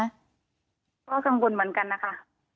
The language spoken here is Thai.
ก็กังวลเหมือนกันนะคะ